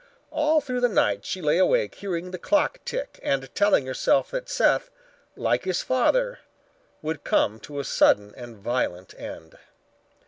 All through the night she lay awake hearing the clock tick and telling herself that Seth, like his father, would come to a sudden and violent end.